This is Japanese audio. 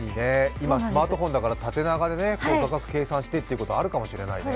今、スマートフォンから縦長で画角計算してっていうことがあるかもしれないね。